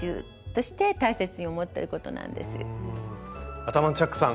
アタマンチャックさん